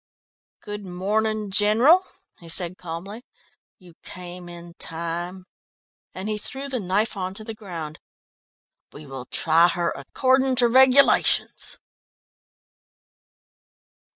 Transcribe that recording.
"Good morning, General," he said calmly. "You came in time," and he threw the knife on to the ground. "We will try her according to regulations!"